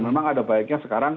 memang ada baiknya sekarang